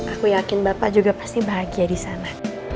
aku yakin bapak juga pasti bahagia disana